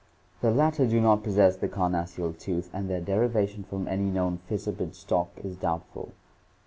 The latter do not possess the carnassial tooth (see page 551) and their derivation from any known fissiped stock is doubtful.